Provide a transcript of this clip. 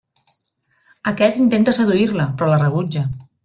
Aquest intenta seduir-la però la rebutja.